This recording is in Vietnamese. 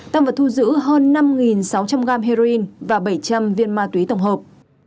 tăng vật thu giữ hơn năm sáu trăm linh g heroin và bảy trăm linh viên ma túy tổng hợp